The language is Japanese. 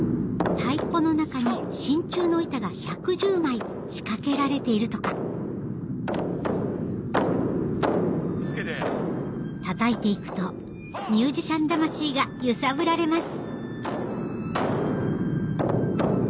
太鼓の中に真鍮の板が１１０枚仕掛けられているとかたたいて行くとミュージシャン魂が揺さぶられます